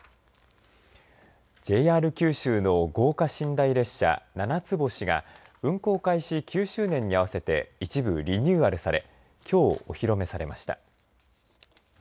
ＪＲ九州の豪華寝台列車ななつ星が運行開始９周年に合わせて一部リニューアルされきょう、お披露目されました。